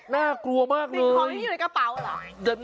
น่ากลัวมากเลยจริงของที่อยู่ในกระเป๋าเหรอ